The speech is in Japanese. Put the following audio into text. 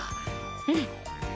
うん。